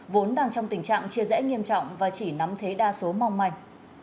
vốn đang trong tình trạng chia rẽ nghiêm trọng và chỉ nắm thế đa số mong manh